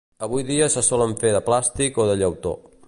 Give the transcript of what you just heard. Avui dia se solen fer de plàstic o de llautó.